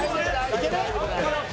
いけない？